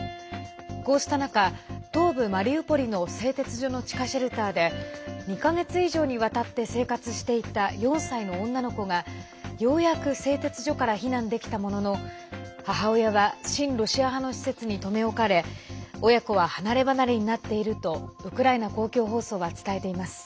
こうした中、東部マリウポリの製鉄所の地下シェルターで２か月以上にわたって生活していた４歳の女の子がようやく製鉄所から避難できたものの母親は親ロシア派の施設に留め置かれ親子は離れ離れになっているとウクライナ公共放送は伝えています。